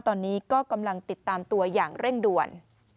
ตอนนี้ก็กำลังติดตามตัวอย่างเร่งด่วน